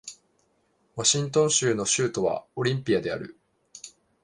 ワシントン州の州都はオリンピアである